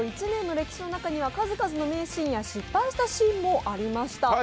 １年の歴史の中には数々な名シーンや失敗したシーンもありました。